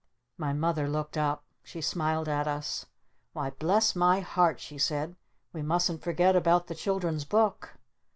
My Mother looked up. She smiled at us. "Why, bless my heart," she said, "we mustn't forget about the children's Book!"